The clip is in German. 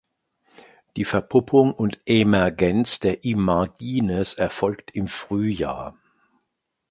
Die Verpuppung und Emergenz der Imagines erfolgt im Frühjahr.